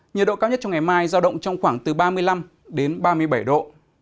nhiệt độ cao nhất trong ngày mai giao động trong khoảng từ ba mươi năm đến ba mươi bảy độ